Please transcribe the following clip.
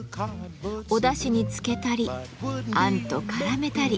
おだしにつけたりあんと絡めたり。